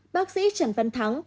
bác sĩ trần văn thắng